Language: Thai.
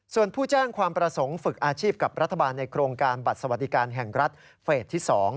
ส่วนผู้แจ้งความประสงค์ฝึกอาชีพกับรัฐบาลในโครงการบัตรสวัสดิการแห่งรัฐเฟสที่๒